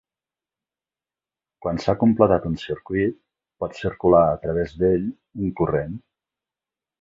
Quan s'ha completat un circuit pot circular a través d'ell un corrent.